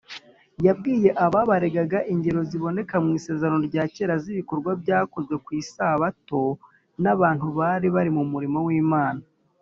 yabwiye ababaregaga ingero ziboneka mu isezerano rya kera z’ibikorwa byakozwe ku isabato n’abantu bari bari mu murimo w’imana